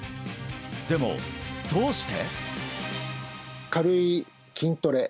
でもどうして？